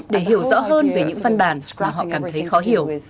để hiểu rõ hơn về những văn bản mà họ cảm thấy khó hiểu